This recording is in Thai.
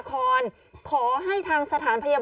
กล้องกว้างอย่างเดียว